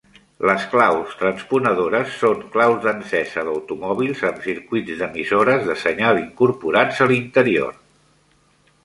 Les claus transponedores són claus d'encesa d'automòbils amb circuits d'emissores de senyal incorporats a l'interior.